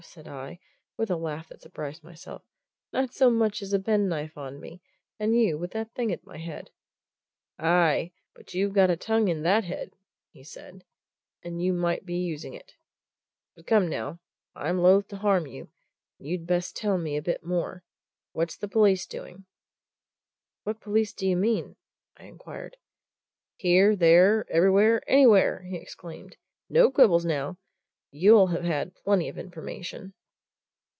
said I, with a laugh that surprised myself. "Not so much as a penknife on me, and you with that thing at my head." "Aye! but you've got a tongue in that head," said he. "And you might be using it! But come, now I'm loth to harm you, and you'd best tell me a bit more. What's the police doing?" "What police do you mean?" I inquired. "Here, there, everywhere, anywhere!" he exclaimed. "No quibbles, now! you'll have had plenty of information."